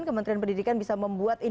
kementerian pendidikan bisa membuat